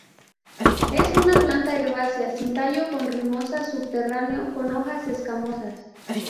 Es una planta herbácea sin tallo con rizoma subterráneo, con hojas escamosas.